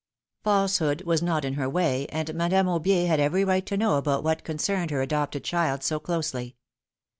Falsehood was not in her way, and Madame Aubier had every right to know about what concerned her adopted child so closely.